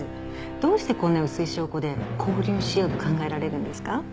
どうしてこんな薄い証拠で勾留しようと考えられるんですか？